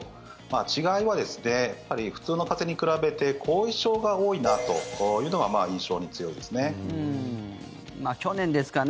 違いは、やっぱり普通の風邪に比べて後遺症が多いなというのが印象に強いですね。